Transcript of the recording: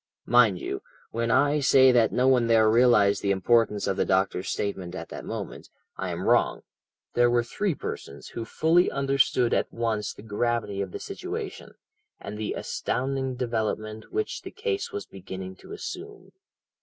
"Mind you, when I say that no one there realized the importance of the doctor's statement at that moment, I am wrong; there were three persons, who fully understood at once the gravity of the situation, and the astounding development which the case was beginning to assume.